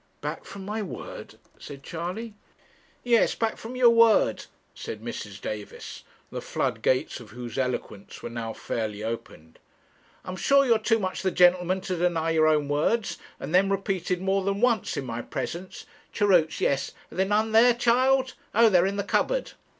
'Back from my word?' said Charley. 'Yes, back from your word,' said Mrs. Davis, the flood gates of whose eloquence were now fairly opened. 'I'm sure you're too much of the gentleman to deny your own words, and them repeated more than once in my presence Cheroots yes, are there none there, child? Oh, they are in the cupboard.'